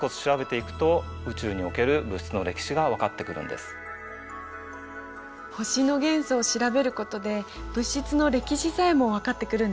でも中にはこういう星は星の元素を調べることで物質の歴史さえもわかってくるんですね。